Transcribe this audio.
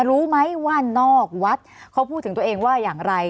รู้ไหมว่านอกวัดเขาพูดถึงตัวเองว่าอย่างไร